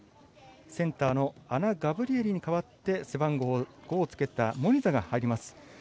センターのアナガブリエリに代わって背番号５をつけたモニザが入ります。